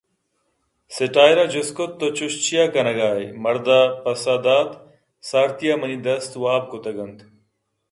سیٹائرءَ جُست کُت تو چُش چیا کنگائے؟ مرد ءَ پسّہ دات سارتی ءَ منی دست واب کُتگ اَنت